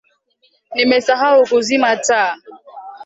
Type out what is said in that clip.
Nimesahau kuzima taa